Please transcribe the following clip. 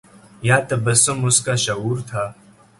یا تبسم اُسکا شعور تھا